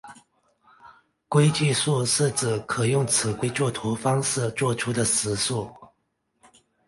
规矩数是指可用尺规作图方式作出的实数。